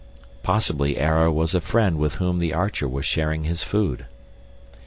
Possibly Ara was a friend with whom the Archer was sharing his food.